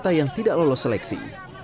peserta yang tidak lolos seleksi